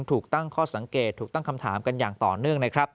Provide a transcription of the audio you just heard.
ถูกตั้งข้อสังเกตถูกตั้งคำถามกันอย่างต่อเนื่องนะครับ